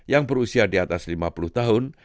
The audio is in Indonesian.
yang berusia di atas lima puluh tahun